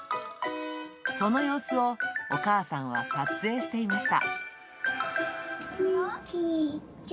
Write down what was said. その様子をお母さんは撮影していました。